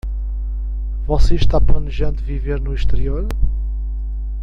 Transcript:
Você está planejando viver no exterior?